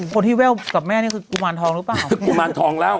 คนที่แว่วกับแม่คือกุมารทองรึเปล่า